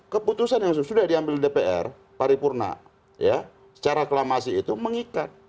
keputusan yang sudah diambil dpr paripurna secara aklamasi itu mengikat